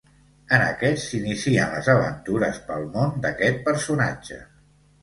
En aquest s'inicien les aventures pel món d'aquest personatge.